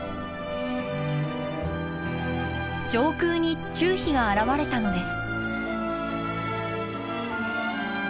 上空にチュウヒが現れたのです。